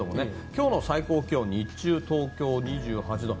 今日の最高気温日中、東京２８度。